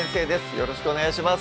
よろしくお願いします